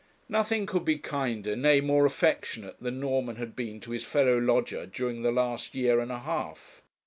Nothing could be kinder, nay, more affectionate, than Norman had been to his fellow lodger during the last year and a half.